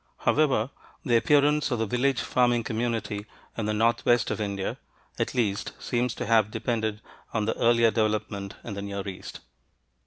However, the appearance of the village farming community in the northwest of India, at least, seems to have depended on the earlier development in the Near East.